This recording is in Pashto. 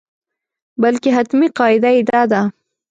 بلکې حتمي قاعده یې دا ده.